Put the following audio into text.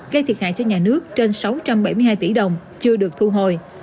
gây thiệt hại cho nhà nước trên sáu trăm bảy mươi hai tỷ đồng chưa được thu hồi